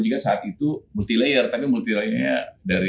juga saat itu multi layer tapi multi layernya dari